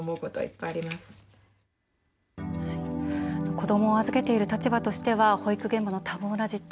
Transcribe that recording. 子どもを預けている立場としては保育現場の多忙な実態